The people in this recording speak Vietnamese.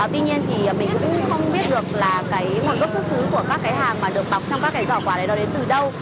tuy nhiên thì mình cũng không biết được là cái nguồn gốc xuất xứ của các cái hàng mà được bọc trong các cái giỏ quà đấy nó đến từ đâu